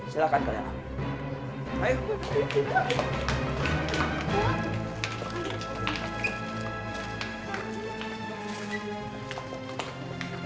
silahkan kalian ambil